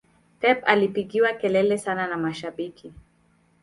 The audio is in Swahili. pep alipigiwa kelele sana na mashabiki